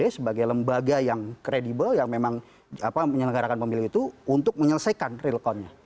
jadi kita harus mencari kinerja yang kredibel yang memang menyelenggarakan pemilih itu untuk menyelesaikan realconnya